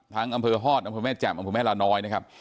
อำเภอฮอตอำเภอแม่แจ่มอำเภอแม่ลาน้อยนะครับ